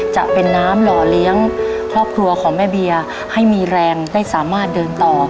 จะเป็นน้ำหล่อเลี้ยงครอบครัวของแม่เบียร์ให้มีแรงได้สามารถเดินต่อ